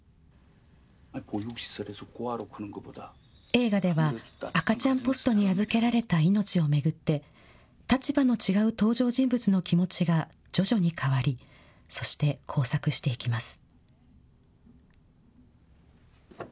映画では、赤ちゃんポストに預けられた命を巡って、立場の違う登場人物の気持ちが徐々に変わり、そして交錯していきます。